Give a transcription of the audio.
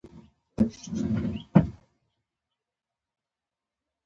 د حل لپاره یې دغو نرخیانو یا مرکچیانو ته مراجعه کوي.